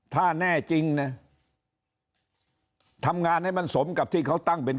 ถ้าแน่จริงนะทำงานให้มันสมกับที่เขาตั้งเป็น